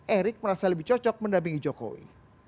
erick merasa lebih cocok mendampingi jokowi